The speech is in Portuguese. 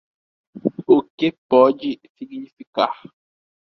O que pode significar?